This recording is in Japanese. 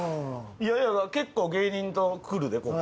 いや結構芸人と来るでここ。